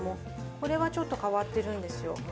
これはちょっと変わってるんですよ。